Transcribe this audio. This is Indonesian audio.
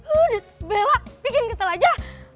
udah susah bela bikin kesel aja